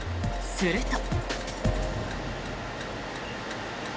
すると。